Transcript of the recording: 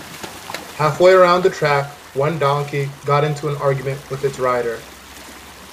Halfway around the track one donkey got into an argument with its rider.